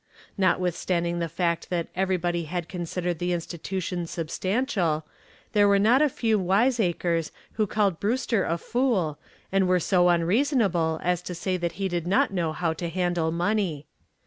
Notwithstanding the fact that everybody had considered the institution substantial there were not a few wiseacres who called Brewster a fool and were so unreasonable as to say that he did not know how to handle money.